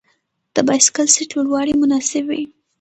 د بایسکل سیټ لوړوالی مناسب وي.